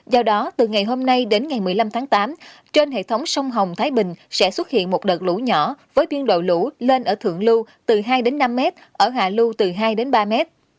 do đó từ ngày hôm nay đến ngày một mươi năm tháng tám trên hệ thống sông hồng thái bình sẽ xuất hiện một đợt lũ nhỏ với biên độ lũ lên ở thượng lưu từ hai đến năm m ở hạ lưu từ hai đến ba m